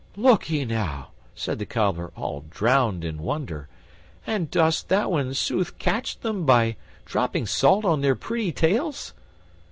"Look ye, now!" said the Cobbler, all drowned in wonder. "And dost thou in sooth catch them by dropping salt on their pretty tails?"